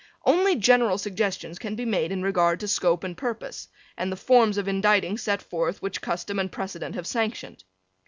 Only general suggestions can be made in regard to scope and purpose, and the forms of indicting set forth which custom and precedent have sanctioned.